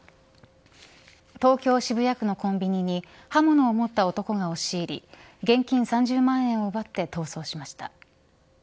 東京、渋谷区のコンビニに刃物を持った男が押し入り現金３０万円を奪って逃走しました。